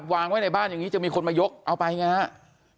วางไว้ในบ้านอย่างนี้จะมีคนมายกเอาไปไงครับ